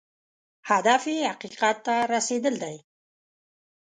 هدف یې حقیقت ته رسېدل دی.